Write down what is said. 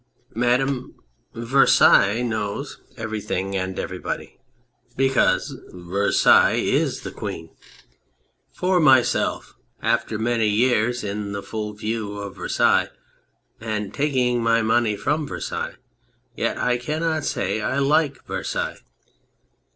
Madame, Versailles knows everything and everybody, because Versailles 206 Compiegne is the Queen. For myself, after many years in the full view of Versailles and taking my money from Versailles, yet I cannot say I like Versailles.